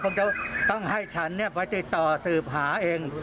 ผมจะต้องให้ฉันไปติดต่อสืบหาเอง